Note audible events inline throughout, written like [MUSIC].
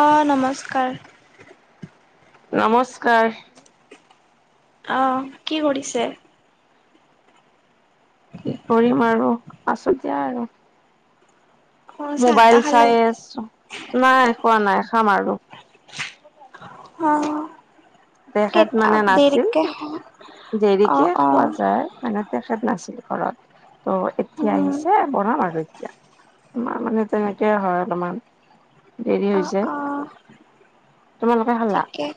অ', নমস্কাৰ। নমস্কাৰ। অ', কি কৰিছে। কি কৰিম আৰু আছো দিয়া এনেই অ চাহ মোবাইল তাহ খালে চাই আছো নাই খোৱা নাই খাম আৰু অ',। তেখেত কেইটা মানে নাছিল দেৰিকে খাওঁ। অ দেৰিকে অ খোৱা যায়। মানে তেখেত নাছিল ঘৰত' এতিয়া উম আহিছে। হে বনাম আৰু এতিয়া আমাৰ মানে তেনেকে হয় অলপমান দেৰি অ', হৈছে অ', তোমালোকে খালা ঠিকে।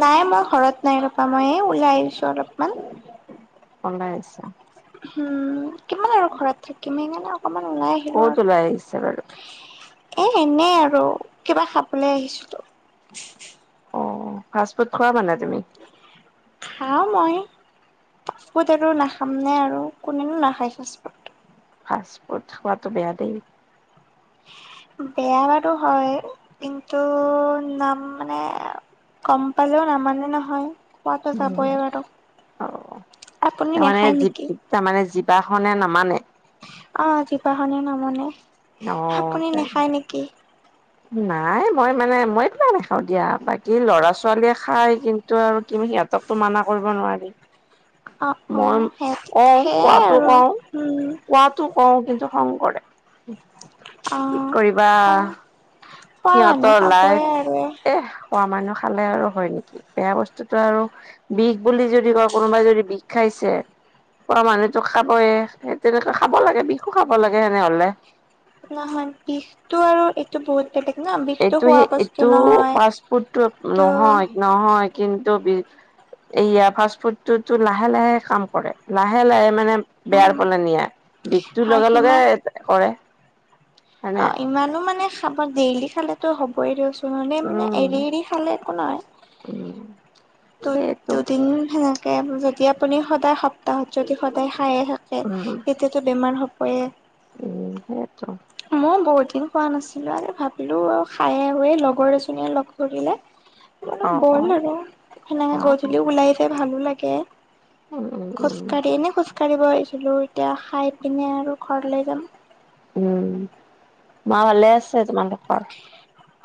নাই মই ঘৰত নাই ৰৱা মই ওলাই আহিছো অলপমান। কৌলই আহিছা। উম কিমান আৰু ঘৰত থাকিম‌ হেই কাৰণে অকমান অকমান ওলাই আহিলোঁ ক'ত ওলাই আহিছে বাৰু আৰু এ এনেই আৰু কিবা খাবলৈ আহিছিলো। অ', ফাষ্ট ফুড খোৱা মানে তুমি। খাওঁ মই। ফাষ্ট‌-ফুড আৰু নাখামনে আৰু কোনেনো নাখায় ফাষ্ট-ফুড। ফাষ্ট ফুড খোৱাটো বেয়া দেই। বেয়া বাৰু হয় কিন্তু নাম মানে গম পালেওঁ নামানে নহয়। খোৱা টো উম যাবই আৰু অ আপুনি তাৰমানে নাখায় নেকি। তাৰমানে জিৱাখনে নামানে অ জীভাখনে নামনে আপুনি অ নেখায় নেকি। নাই মই মানে মই এইবিলাক নাখাওঁ দিয়া বাকী ল'ৰা ছোৱালীয়ে খাই কিন্তু টো আৰু কি সিহঁতকতো মানা কৰিব নোৱাৰি অ অ মই সেই কওঁ সেয়াই কোৱাতো আৰু কওঁ উম কোৱাতো কওঁ কিন্তু খং কৰে অ কি কৰিবা খং খোৱা মানুহ সিহঁতৰ লাইফ খাবয়ে আৰু এ এ খোৱা মানুহ খালে আৰু হয় নেকি বেয়া বস্তুতটো আৰু বিষ বুলি যদি কয় কোনোবাই যদি বিষ খাইছে। খোৱা মানুহ তো খাবয়ে সেই তেনেকুৱে খাব লাগে বিষো খাব লাগে তেনেহলে নহয় বিষতটো আৰু এইটো বহুত বেলেগ ন বিষ এইটো সেই এইটো পাছপটটো ত' নহয় নহয় কিন্তু বি এয়া ফাষ্ট ফুডতো লাহে লাহে কাম কৰে লাহে লাহে মানে বেয়াৰ পালে নিয়া বিষটোৰ হয় লগে লগে সিমান কৰে অ হয়নে ইমানো মানে খাব ডেইলি খালেতো হবই দিয়ক চোন। মনে মানে উম এৰি এৰি খালে একো নহয় [UNINTELLIGIBLE] দুদ সেইটো দুদিন সেনেকে যদি আপুনি সদায় সপ্তাহত যদি সদায় খায়। উম এতিয়াতো বেমাৰ হবয়ে উম সেইয়েতো মই বহুত দিন খোৱা নাছিলো আৰু ভাবিলো খাই আহো লগৰ এজনীয়ে লগ কৰিলে। [INAUDIBLE] বোলো অ বল অ আৰু সেনেকে অ গধূলিও ওলাই যাই ভালো লাগে উম উম উম। খোজকাঢ়ি এনেই খোজকাঢ়িব আহিছিলো এতিয়া খাই পিনে আৰু ঘৰ লৈ যাম। উম মা ভালে আছে তোমালোকৰ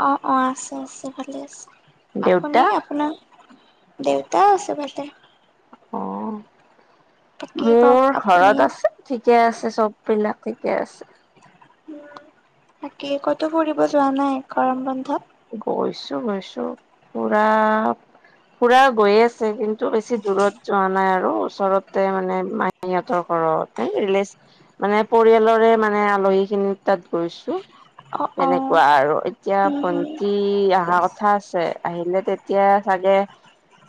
অ অ আছে আছে ভালে আছে আপুনি দেউতা আপোনাৰ দেউতা আছে ভালে অ বাকী কওক মোৰ আপুনি ঘৰত আছে। ঠিকে আছে চব বিলাক ঠিকে আছে। বাকি কতো ফুৰিব যোৱা নাই গৰম বন্ধত। গৈছো গৈছো পুৰা পুৰা গৈ আছে কিন্তু টো বেছি দূৰত যোৱা নাই আৰু ওচৰতে মানে মাহী হঁতৰ ঘৰৰ তে ৰিলে মানে পৰিয়ালৰে মানে আলহী খিনিৰ তাত গৈছো অ অ তেনেকুৱা আৰু এতিয়া হুম ভন হুম সি অহা কথা আছে আহিলে তেতিয়া চাগে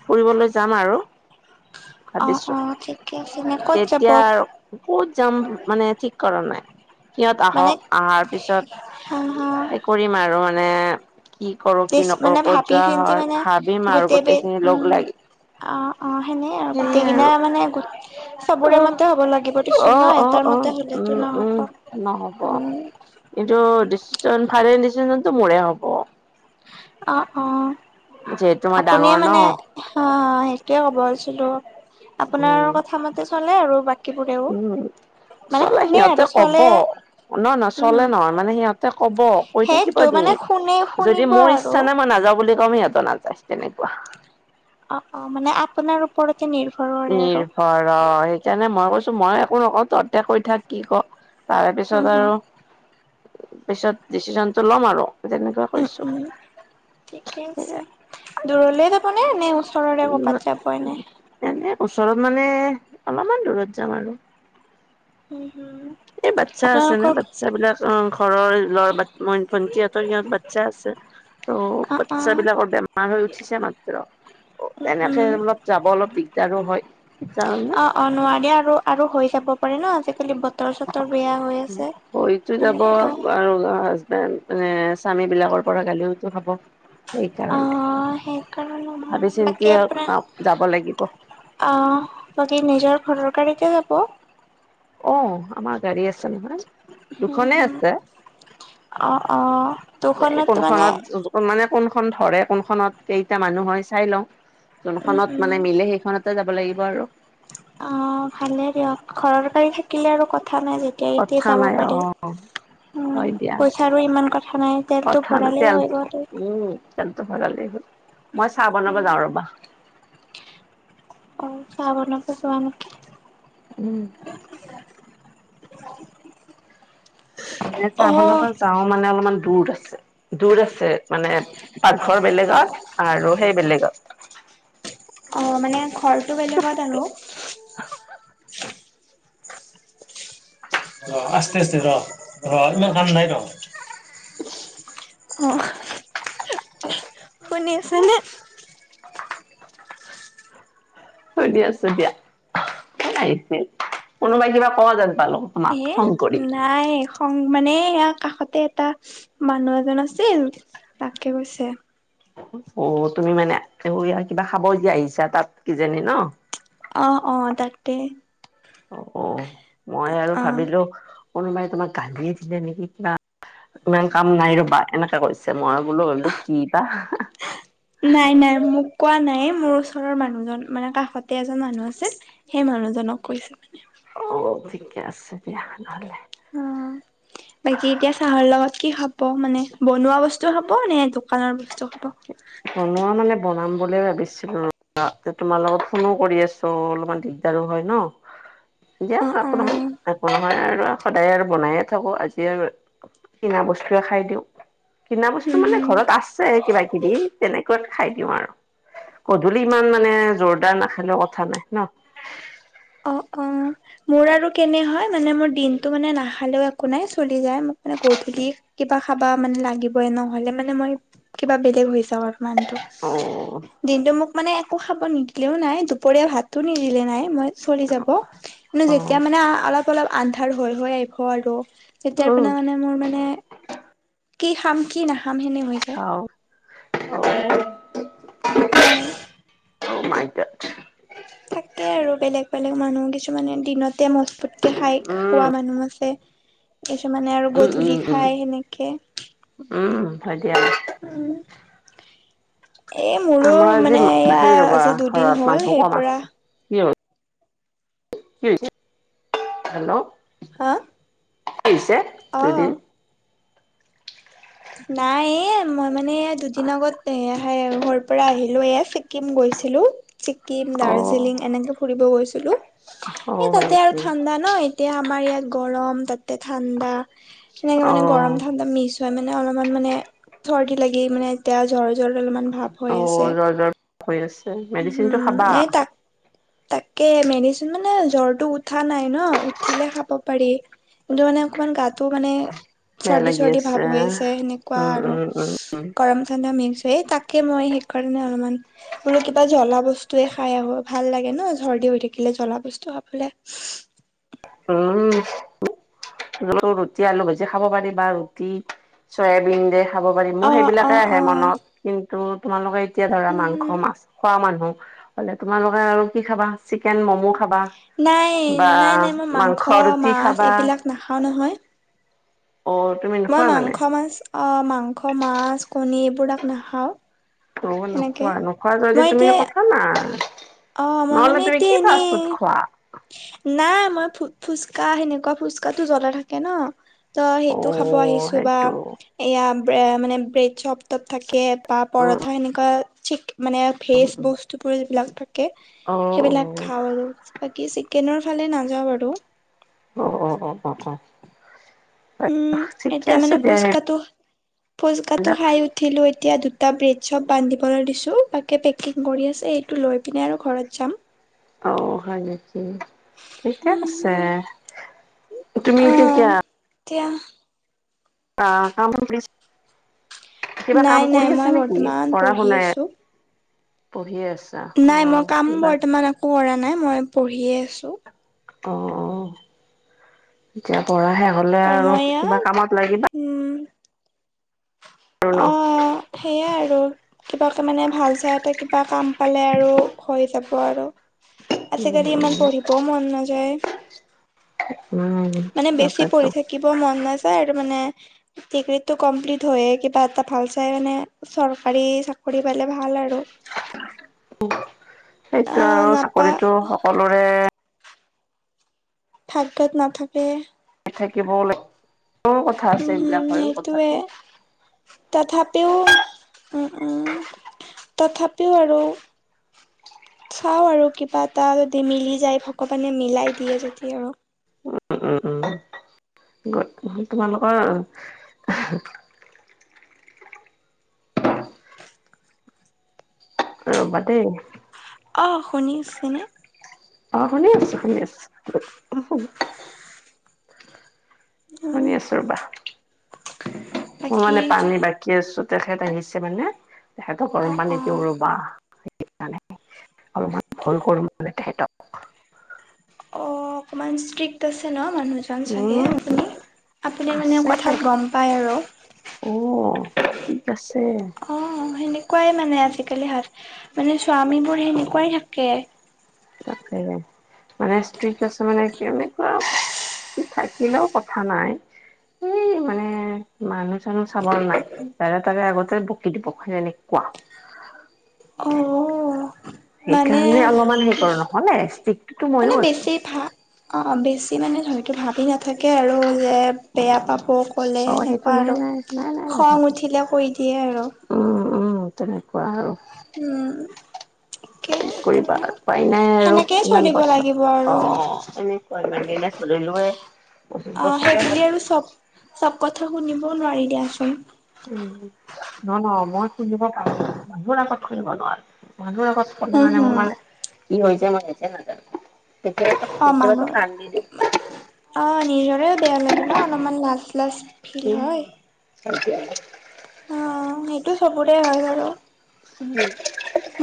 ফুৰিবলৈ যাম আৰু অ ভাবিছো অ ঠিকে আছে নে ক'ত যাব তেতিয়া আৰু ক'ত যাম মানে ঠিক কৰা নাই। সিহঁত মানে আহক আহাৰ পিছত [INAUDIBLE] এই কৰিম আৰু মানে কি কৰো কি বেছ মানে নকৰো ক'ত ভাবি যোৱা চিন্তি হয় মানে ভাবিম আৰু বে গোটেই খিনি লগ উম লাগি। অ অ সেনে আৰু সেয়ে গোটেই আৰু কিনাই মানে চবোৰে অ মতে হ'ব লাগিব কিছু অ', ন অ', এটাৰ অ', মতে উম, হ'লেতো নহ'ব উম, নহ'ব। উম কিন্তু ডিচিশন ফাইনেল ডিচিশনতটো মোৰে হ'ব। অ অ যিহেতু মই ডাঙৰ আপুনিয়েই মানে ন' অ সেইটোয়ে কব ওলছিলো, আপোনাৰ উম, কথা মতে চলে আৰু বাক উম। চলে সিহঁতে আৰু কব চলে নহ উম নচলে হম নহয় মানে সিহঁতে কব কৈ থাকিব সেইটো মানে দিম। শুনে যদি শুনিব মোৰ আৰু ইচ্ছা নাই মই নাযাওঁ বুলি কম সিহঁতো নাযায় তেনেকুৱা। অ অ মানে আপোনাৰ ওপৰতে নিৰ্ভৰ কৰে আৰু। নিৰ্ভৰ অ সেইকাৰণে মই কৈছো মই একো নকওঁ তহতে কৈ থাক কি কও তাৰে উম পিছত হম আৰু পিছত ডিচিচন টো ল'ম আৰু তেনেকুৱা। উম কৈছো। উম ঠিকে সেয়াই আছে দূৰলে যাব নে নে ওচ ওচৰৰে উম, ক'ৰবাত যাব এনেই? এনে ওচৰত মানে অলপমান দূৰত যাম আৰু। হুম হুম। এই বাচ্ছা আছে ন বাচ্ছ বিলাক অ ঘৰৰ ল ভনকিহঁতৰ সিহঁত বাচ্ছা আছে। ত' অ অ বাচ্ছা বিলাকৰ বেম মাৰ হৈ উঠিছে মাত্ৰ। উম এনেকে উম অলপ যাব অলপ দিগদাৰো হয় অ অ নোৱাৰি আৰু আৰু হৈ যাব পাৰে ন আজিকালি বতৰ চতৰ বেয়া হৈ আছে হৈ তো যাব সেনেকুৱা আৰু হাজবেণ্ড মানে স্বামী বিলাকৰ পৰা গালিও হয়তো খাব অ সেইকাৰণে। ভাবি সেইকাৰণে বাকী চিন্তি আপোনাৰ আহ যাব লাগিব। অ বাকী নিজৰ ঘৰৰ গাড়ীতে যাব? অ আমাৰ গাড়ী আছে নহয়। উম দুখনেই হম আছে অ', অ', এই দুখনত মানে কোনোখনত মানে কোনখন ধৰে কোনখনত কেইটা মানুহ হয় চাই লওঁ। উম, যোনখনত মানে উম। মিলে সেইখনতে যাব লাগিব আৰু। অ ভালে দিয়ক ঘৰৰ গাড়ী থাকিলে আৰু কথা নাই যে গড়ীতে কথা যাব নাই অ' পাৰি। উম হয় দিয়া পইচাৰো ইমান কথা নাই তেলটো কথা নাই ভৰালেই হৈ তেলটো গ'ল। উম তেলটো ভৰালেই হ'ল মই চাহ বনাব যাওঁ ৰবা। অ চাহ বন যোৱা [UNINTELLIGIBLE] উম। মানে চাহ বনাব অ', যাও মানে অলপমান দূৰ আছে দূৰ আছে মানে পাকঘৰ বেলেগত আৰু সেই বেলেগত। অ মানে ঘৰটো বেলেগত আৰু। অ আস্তে আস্তে ৰ ৰ খাম নাই ৰ। [INAUDIBLE] অ'। শুনি আছানে? [INAUDIBLE] সুধি আছো দিয়া। আহিছিল কোনোবাই কিবা ক জানো? পালো। তোমাক ইয়ে ফোন কৰি। নাই। নাই সং মানে কাষতে এটা মানুহ এজন আছিল তাকে কৈছে। অ তুমি মানে কিবা খাবলগীয়া আহিছা তাত কিজানি ন? অ অ তাকতে। অ অ। মই আৰু অ'। ভাবিলো কোনোবাই তোমাক গালিয়ে দিলে নেকি বা। ইমান কাম নাই ৰ'বা, এনেকে কৰিছে মই বোলো গিলো কি বা। নাই নাই মোক কোৱা নাই। মোৰ ওচৰৰ মানুহজন মানে কাষতে এজন মানুহ আছিল। সেই মানুহজনক কৈছো। অ', ঠিকে আছে দিয়া নহলে। অ বাকী এতিয়া চাহৰ লগত কি খাব মানে বনোৱা বস্তু খাব নে দোকানৰ বস্তু খাব? বনোৱা মানে বনাম বুলি ভাবিছিলো ৰবা, তোমাৰ লগত ফোনো কৰি আছো। অলপমান দি দিগদাৰো হয় ন? দিয়া অ অ [UNINTELLIGIBLE] সদায় আৰু বনায়ে থাকো আজি আৰু কিনা বস্তুৱয়ে খাই দিওঁ। কিনা বস্তু হম মানে হম ঘৰত আছে কিবা কিবি। তেনেকুৱাত খাই দিওঁ আৰু। গধূলি ইমান মানে জোৰদাৰ নাখালেও কথা নাই ন? অ অ মোৰ আৰু কেনে হয় মানে মোৰ দিনতটো মানে নাখালেও একো নাই চলি যায়। মোক মানে গধূলি কিবা খাবা মানে লাগিবই নহলে, মানে মই কিবা বেলেগ হৈ যাওঁ আৰু। মানটো। অ দিনটো মোক মানে একো খাব নিদিলেও নাই দুপৰীয়া ভাতো নিদিলে দিলে নাই মই চলি যাব। কিন্তু অ যেতিয়া মানে অলপ অলপ আন্ধাৰ হৈ হৈ আহিব আৰু তেতিয়াৰ পৰা মানে মোৰ মানে কি খাম কি নাখাম সেনে হৈ যায়। অ'। উম। [UNINTELLIGIBLE] থাকে আৰু বেলেগ বেলেগ মানুহ কিছুমানে দিনতে মজবুত খাই খোৱা উম, মানুহ আছে। কিছুমানে আৰু উম, গধূলি উম, উম, খাই সেনেকে উম হয় দিয়া। উম এ মোৰো আমাৰ আজি মানে মা- এয়া হেৰি ৰ'বা আজি ঘৰত দুদিন হ'ল। মানুহ সেই কম পৰা আছে। কি হ'ল [UNINTELLIGIBLE] হা অ'। [UNINTELLIGIBLE] নাই এ মই মানে দুদিন আগত এ ঘৰ পৰা আহিলো এ, ছিকিম গৈছিলো। ছিকিম, অ', দাৰ্জিলিং এনেকে ফুৰিব গৈছিলো। অ', এ হয় তাতে আৰু নেকি? ঠাণ্ডা ন এতিয়া আমাৰ ইয়াত গৰম, তাতে ঠাণ্ডা। সেনেকে মানে গৰম অ', ঠাণ্ডা মিছো এনেই অলপমান মানে চৰ্দি লাগি মানে এতিয়া জ অ', জ্বৰ জ্বৰ হৈ আছে। মেডিচিনটো খাবা [UNINTELLIGIBLE] তাকে মেডিচিন মানে জ্বৰটো উঠা নাই ন উঠিলে খাব পাৰি। কিন্তু, মানে অকমান গাটো মানে বেয়া চৰ্দি লাগি চৰ্দি ভাৱ আছে। হৈ আহিছে। সে সেনেকুৱা উম, আৰু উম, উম, গৰম ঠান্দা মিক্স হয়, এ তাকে মই সেইকাৰণে অলমান- বোলো কিবা জ্বলা বস্তুৱে খাই আহো ভাল লাগে ন চৰ্দি হৈ থাকিলে জ্বলা বস্তু খাবলে। [INAUDIBLE] উম' ৰুটি আলু ভাজি খাব পাৰি বা ৰুটি চয়াবিন দে- খাব পাৰিম অ মোৰ অ সেইবিলাকে আহে অ মনত কিন্তু তোমালোকে এতিয়া ধৰা উম হম মাংস মাছ- খোৱা মানুহ বলে তোমালোকে আৰু কি খাবা? চিকেন ম'ম' খাবা নাই বা মাংস ৰুটি খাবা। নাখাওঁ নহয়। অ'ত, মই মাংস মাছ, অ' মাংস মাছ কণী এইবোৰাক নাখাওঁ। অ সেনেকে নোখোৱা, নোখোৱা যদি তুমি কথা না- অঁ মই মানে এতিয়া এনেই। নাই মই ফু ফুচকা সেনেকুৱা ফুচকাটো জ্বলা থাকে ন। ত অ সেইটো খাব আহিছো বা সেইটো এয়া ব্ৰে মানে ব্ৰেড চব তাত থাকে। কে পা উম পৰঠা এনেকা চিক মানে ফেজ বস্তুবোৰ যিবিলাক থাকে- অ অ সেইবিলাক খাও আৰু বাকী চিকেনৰ ফালে নাযাওঁ আৰু। অ অ অঁ অঁ অঁ। উম' এতিয়া মানে ফোচ্কাটো ফোচ্কাটো সেইবিলাক খাই উঠ- ঠিলোঁ এতিয়া দুটা ব্ৰেড চব বান্ধিবলৈ দিছোঁ বাকে পেকিং কৰি আছে এইটো লৈ পিনে আৰু ঘৰত যাম। অ হয় নেকি, ঠিকে আছে। তুমি এতিয়া অঁ কিয়া দিয়া। অঁ কামবোৰ ফিনিছ। কিবা নাই কাম নাই কৰি মই আছা নেকি বৰ্তমান পঢ়া পঢ়ি শুনাই আছো এৰ- পঢ়ি আছ- নাই মই কাম বৰ্তমান একো কৰা নাই মই পঢ়িয়ে আছোঁ। অঁ অঁ এতিয়া পঢ়া শেষ হলে তাৰ আৰু মই কিবা ইয়াত কামত লাগিবা। উম' আৰু ন অঁ সেইয়াই আৰু। কিবা তামানে মানে ভাল চাই এটা কিবা কাম পালে আৰু হৈ যাব আৰু। উম আজিকালি ইমান পঢ়িবও মন নাযায়। উম' মানে বেছি তাকেতো পঢ়ি থাকিব মন নাযায় আৰু মানে। ডিগ্ৰীটো কমপ্লিট হৈয়ে কিবা এটা ভালচাই মানে- চৰকাৰী চাকৰি পালে ভাল আৰু। সেইটোৱে আহ আৰু নাপা চাকৰিটো সকলোৰে- ভাগ্যত নাথাকে। থাকিবও লাগ ভাগ্যও কথা আছে উম হম এইবিলাক বাৰু সেইটোৱে কথাটো। তথাপিও উম' উম' তথাপিও আৰু। চাঁও আৰু কিবা এটা যদি মিলি যায় ভগৱানে মিলাই দিয়ে যদি আৰু। উম' গত তোমালোকৰ- ৰ'বা দেই। অ শুনি আছেনে? অঁ শুনি আছো, শুনি আছো। উম শুনি আছো ৰবা। মোৰ বাকী মানে পানী বা কি আছো তেখেত আহিছে মানে তেখেতৰ অ গৰম অ পানী দিওঁ ৰবা। অলপমান ভুল কৰো মানে তাহতক অঁ অকণমান ষ্ট্ৰি ক্ট আছে ন মানুহজন চাগে উম আপুনি? আপুনি মানে কথাত গম পায় আৰু। অঁ ষ্ট্ৰিক্ট আছে। অঁ সেনেকুৱাই মানে আজিকালি হা মানে স্বামীবোৰ সেনেকুৱাই থাকে। তাকেহে মানে ষ্ট্ৰিক্ট আছে মানে কেনেকুৱা থাকিলেও কথা নাই, এই মানে মানুহ চানুহ চাবলৈ নাই যাৰে তাৰে আগতে বকি দিব সেনেকুৱা অ মানে সেইকাৰণে অলপমান হেৰি নহ'লে ষ্ট্ৰিক্টটো মইয়ো মানে আছো। বেছি ভা অ অ বেছি মানে ধৰি এইটো ভাবি নাথা কে আৰু যে অ বেয়া পাব ক'লে অ সেইটো সেনেকুৱা নাই আৰু নাই নাই নাই খং নাভাবে উঠিলে কৈ সেয়াই আৰু। উম উম তেনেকুৱা আৰু। উম একে কি একো কৰিব নাই উপাই নাই আৰু সেনেকেই ইমান চলিব বছৰ লাগিব আৰু অ' এনে [UNINTELLIGIBLE] অঁ সেইবুলি আৰু চব চব কথা শুনিবও নোৱাৰি দিয়াচোন। অঁ মই শুনিব পাৰো। মোৰ আগত শুনিব নোৱাৰো। মানুহৰ আগত ক'লে হম মানে হম মোৰ মানে কি হৈ যায় মই যে নাজানো। কেতিয়া কেতিয়াবা কেতিযাবাতো কান্দি দওঁ। অঁ নিজৰে বেয়া লাগে ন অলপমান লাজ লাজ ফিল উম হয়। [INAUDIBLE] অঁ সেইটো চবৰে হয় বাৰু। [INAUDIBLE]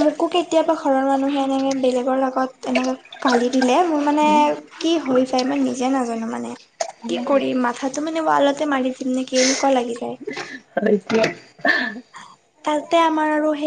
মোকো কেতিয়াবা ঘৰৰ মানুহে এনেকে বেলেগৰ লগত এনেকে গালি দিলে মোৰ মানে কি হৈ য়াই, মই নিজে নাজানো মানে, কি কৰিম মাথা তো মানে ৱালতে মাৰি দিম নেকি, এনেকুৱা লাগি যায়। হয় দিয়া। তাতে আমাৰ আৰু সেই